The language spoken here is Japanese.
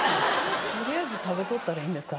取りあえず食べとったらいいんですか？